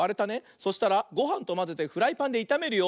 そしたらごはんとまぜてフライパンでいためるよ。